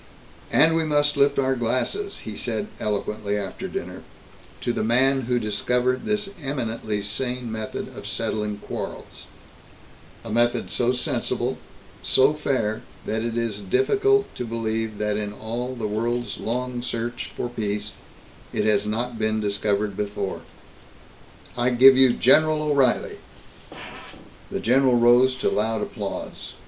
"And we must lift our glasses," he said eloquently after dinner, "to the man who discovered this eminently sane method of settling quarrels a method so sensible, so fair that it is difficult to believe that in all the world's long search for peace, it has not been discovered before. I give you General O'Reilly!" The general rose to loud applause.